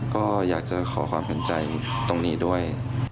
ก็อยากจะขอความเห็นใจตรงนี้ด้วย